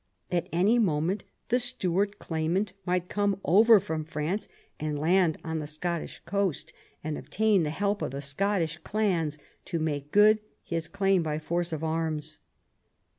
At any moment the Stuart claimant might come over from France, land on the Scottish coast, and obtain the help of the Scottish clans to make good his claim by force of arms.